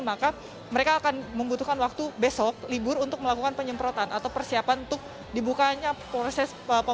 maka mereka akan membutuhkan waktu besok libur untuk melakukan penyemprotan atau persiapan untuk dibukanya proses pembangunan